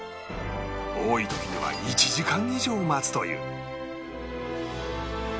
多い時には１時間以上待つという